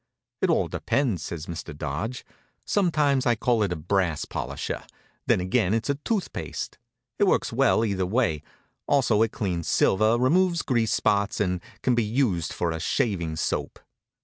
"It all depends," says Mr. Dodge. "Sometimes I call it a brass polisher, then again it's a tooth paste. It works well either way. Also it cleans silver, removes grease spots, and can be used for a shaving soap.